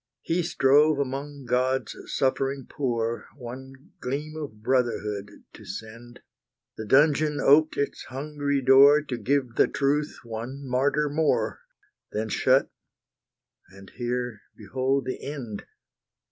He strove among God's suffering poor One gleam of brotherhood to send; The dungeon oped its hungry door To give the truth one martyr more, Then shut, and here behold the end!